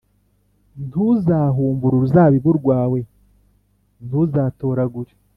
Ntuzahumbe uruzabibu rwawe ntuzatoragure